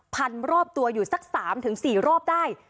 พันรอบตัวอยู่สัก๓๔รอบได้